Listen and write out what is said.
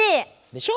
でしょ？